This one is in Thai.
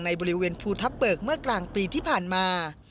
บริเวณภูทับเบิกเมื่อกลางปีที่ผ่านมา